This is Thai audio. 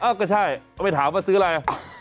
อ้าวก็ใช่ไปถามว่าซื้ออะไร